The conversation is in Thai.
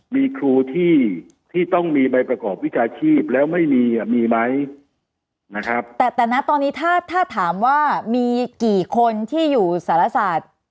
มีครูที่ที่ต้องมีใบประกอบวิชาชีพแล้วไม่มีอ่ะมีไหมนะครับแต่แต่นะตอนนี้ถ้าถ้าถามว่ามีกี่คนที่อยู่สารศาสตร์